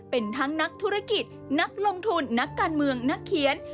เป็นทั้งนักธุรกิจนักลงทุนนักการเมืองนักเขียน